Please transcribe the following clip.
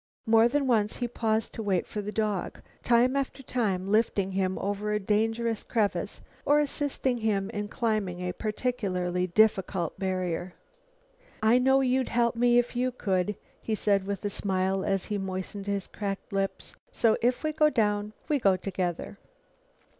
More than once he paused to wait for the dog, time after time lifting him over a dangerous crevice or assisting him in climbing a particularly difficult barrier. "I know you'd help me if you could," he said with a smile as he moistened his cracked lips, "so if we go down, we go together."